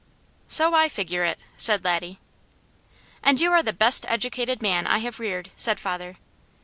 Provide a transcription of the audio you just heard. "So I figure it," said Laddie. "And you are the best educated man I have reared," said father.